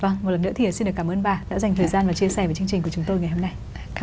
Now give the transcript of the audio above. vâng một lần nữa thì xin được cảm ơn bà đã dành thời gian và chia sẻ với chương trình của chúng tôi ngày hôm nay